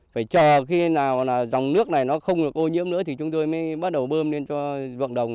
phải chờ khi nào là dòng nước này nó không được ô nhiễm nữa thì chúng tôi mới bắt đầu bơm lên cho ruộng đồng